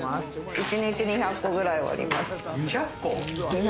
一日に２００個くらい割ります。